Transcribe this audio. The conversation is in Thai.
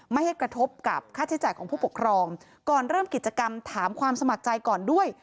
ไม่ให้กระทบกับค่าใช้จ่ายของผู้ปกครองก่อนเริ่มกิจกรรมถามความสมัครใจก่อนด้วย